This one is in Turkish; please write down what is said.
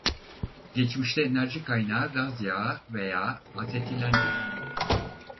Geçmişte enerji kaynağı gaz yağı veya asetilendi.